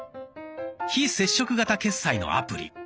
非接触型決済のアプリ。